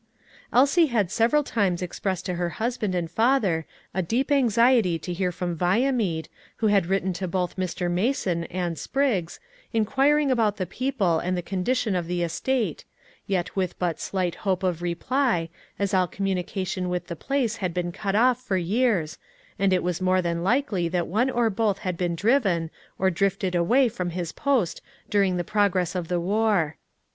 Elsie had several times expressed to her husband and father a deep anxiety to hear from Viamede, and had written to both Mr. Mason and Spriggs, inquiring about the people and the condition of the estate, yet with but slight hope of reply, as all communication with the place had been cut off for years, and it was more than likely that one or both had been driven, or drifted away from his post during the progress of the war.